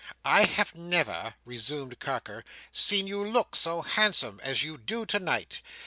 "I have never," resumed Carker, "seen you look so handsome, as you do tonight.